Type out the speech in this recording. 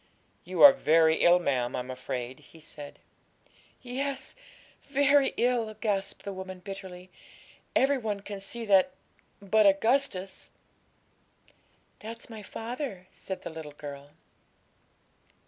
'You are very ill, ma'am, I'm afraid,' he said. 'Yes, very ill,' gasped the woman bitterly; 'every one can see that but Augustus!' 'That's my father,' said the little girl.